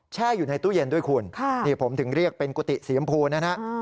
แช่อยู่ในตู้เย็นด้วยคุณนี่ผมถึงเรียกเป็นกุฏิสียมพูนะฮะ